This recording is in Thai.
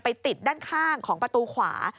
ติดด้านข้างของประตูขวา